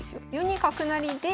４二角成で。